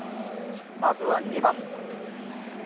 まずは２番。